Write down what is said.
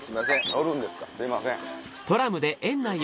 乗るんですかすいません。